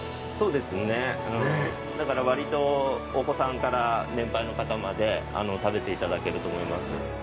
そうですねうんだからわりとお子さんから年配の方まで食べていただけると思います。